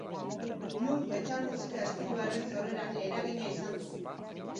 Nu metal musika estiloaren sorreran eragina izan du.